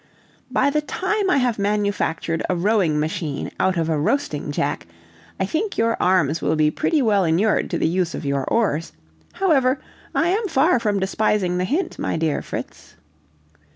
"By the time I have manufactured a rowing machine out of a roasting jack, I think your arms will be pretty well inured to the use of your oars! However, I am far from despising the hint, my dear Fritz."